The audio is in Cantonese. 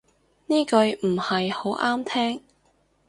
呢句唔係好啱聽